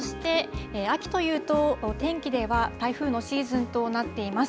さあ、そして秋というと、天気では台風のシーズンとなっています。